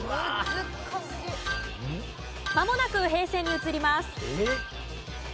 まもなく平成に移ります。